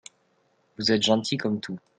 Vous êtes gentil comme tout.